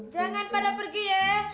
jangan pada pergi ya